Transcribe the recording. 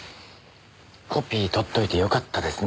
コピー取っといてよかったですね。